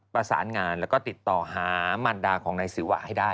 ประสานงานแล้วก็ติดต่อหามันดาของนายศิวะให้ได้